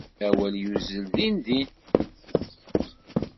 Awal yuzzel din din.